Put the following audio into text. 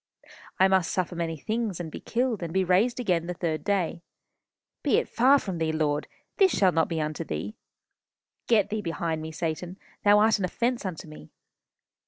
I must suffer many things, and be killed, and be raised again the third day.... Be it far from thee, Lord. This shall not be unto thee.... Get thee behind me, Satan. Thou art an offence unto me.